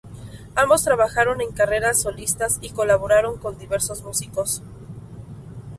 Ambos trabajaron en carreras solistas y colaboraron con diversos músicos.